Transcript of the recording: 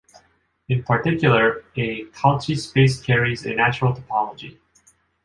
In particular, a Cauchy space carries a natural topology.